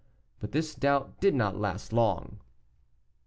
But this doubt did not last long.